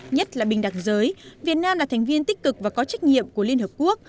nhất là bình đẳng giới việt nam là thành viên tích cực và có trách nhiệm của liên hợp quốc